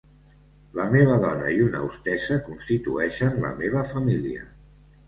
La meva dona i una hostessa constitueixen la meva família.